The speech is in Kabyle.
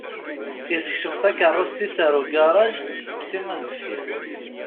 Isekcem takeṛṛust-is ar ugaṛaj d timendeffirt.